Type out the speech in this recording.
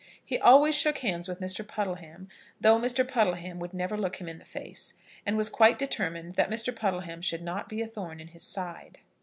He always shook hands with Mr. Puddleham, though Mr. Puddleham would never look him in the face, and was quite determined that Mr. Puddleham should not be a thorn in his side.